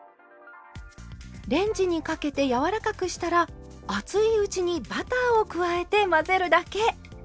レンジにかけて柔らかくしたら熱いうちにバターを加えて混ぜるだけ。